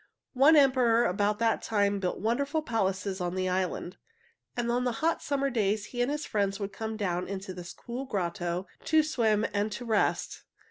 One emperor about that time built wonderful palaces on the island, and on hot summer days he and his friends would come down into this cool grotto to swim and to rest.